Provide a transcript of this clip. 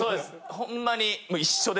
ホンマに。